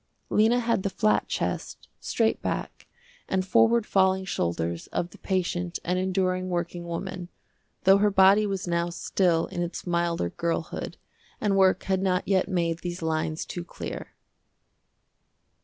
Lena had the flat chest, straight back and forward falling shoulders of the patient and enduring working woman, though her body was now still in its milder girlhood and work had not yet made these lines too clear.